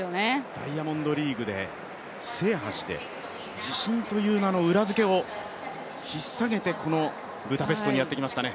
ダイヤモンドリーグで制覇して、自信とう名の裏付けをひっ提げてこのブダペストにやってきましたね。